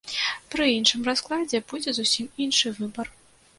Пры іншым раскладзе будзе зусім іншы выбар.